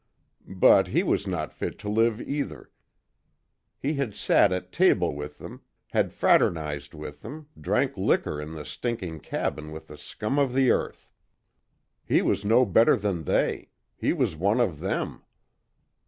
But he was not fit to live either. He had sat at table with them had fraternized with them drank liquor in the stinking cabin with the scum of the earth. He was no better than they he was one of them.